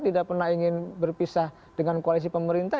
tidak pernah ingin berpisah dengan koalisi pemerintah